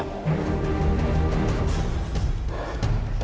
kami akan menolong ayah anda